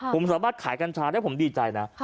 ผมสามารถขายกัญชาได้ผมดีใจนะ